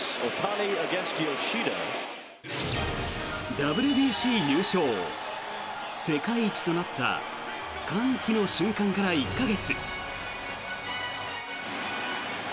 ＷＢＣ優勝世界一となった歓喜の瞬間から１か月。